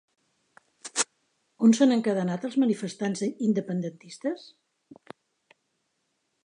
On s'han encadenat els manifestants independentistes?